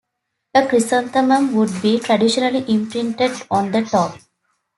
A chrysanthemum would be traditionally imprinted on the top.